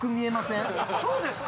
そうですか？